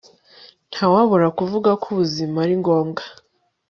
Ntawabura kuvuga ko ubuzima ari ngombwa